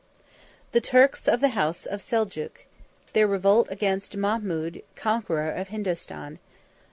The Turks Of The House Of Seljuk.—Their Revolt Against Mahmud Conqueror Of Hindostan.